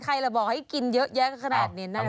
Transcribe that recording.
ใครล่ะบอกให้กินเยอะแยะขนาดนี้นะคะ